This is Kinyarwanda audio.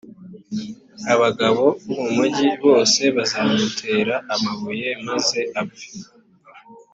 abagabo bo mu mugi bose bazamutere amabuye, maze apfe.